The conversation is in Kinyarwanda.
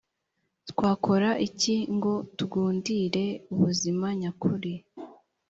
twakora iki ngo tugundire ubuzima nyakuri